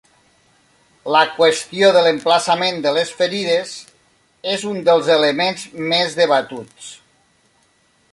La qüestió de l'emplaçament de les ferides és un dels elements més debatuts.